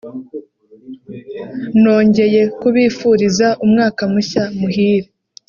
nongeye kubifuriza umwaka mushya muhire